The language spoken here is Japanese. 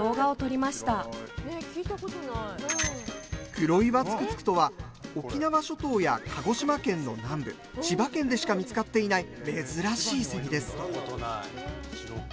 クロイワツクツクとは沖縄諸島や鹿児島県の南部千葉県でしか見つかっていない珍しいセミです。